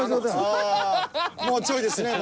ああもうちょいですね。